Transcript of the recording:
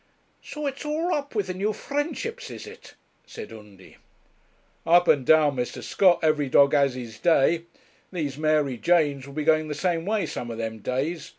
'So it's all up with the New Friendships, is it?' said Undy. 'Up and down, Mr. Scott; every dog has his day; these Mary Janes will be going the same way some of them days.